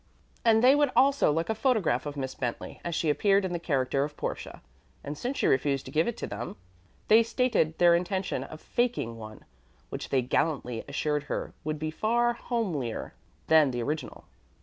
And they would also like a photograph of Miss Bentley as she appeared in the character of Portia; and since she refused to give it to them, they stated their intention of "faking" one, which, they gallantly assured her, would be far homelier than the original.